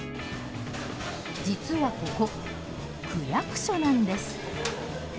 実はここ、区役所なんです。